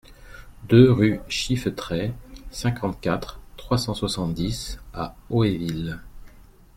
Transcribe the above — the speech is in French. deux rue Chiffetraie, cinquante-quatre, trois cent soixante-dix à Hoéville